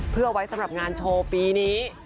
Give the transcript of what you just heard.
เพื่อไว้สำหรับงานโชว์ปีนี้